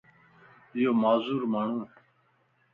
ايو معذور ماڻھو ائي.